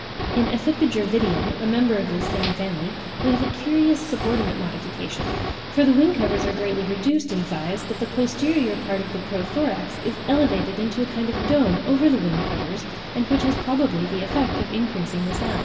In Ephippiger vitium, a member of this same family, we have a curious subordinate modification; for the wing covers are greatly reduced in size, but "the posterior part of the pro thorax is elevated into a kind of dome over the wing covers, and which has probably the effect of increasing the sound."